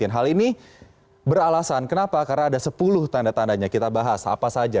hal ini beralasan kenapa karena ada sepuluh tanda tandanya kita bahas apa saja